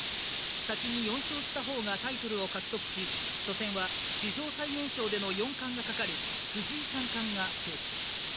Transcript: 先に４勝した方がタイトルを獲得し初戦は史上最年少での四冠がかかる藤井三冠が制しています。